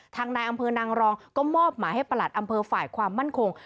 ทางนายอำเภอนางรองก็มอบหมายให้ประหลัดอำเภอฝ่ายความมั่นคง